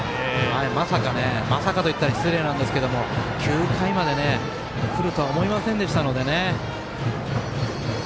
まさかね、まさかと言ったら失礼なんですけど９回までくるとは思いませんでしたね。